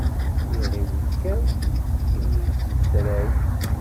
Iɣil ikkaw, immi isfetray.